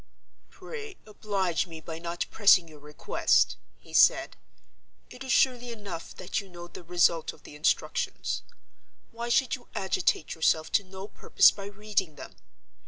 "Pray oblige me by not pressing your request," he said. "It is surely enough that you know the result of the instructions. Why should you agitate yourself to no purpose by reading them?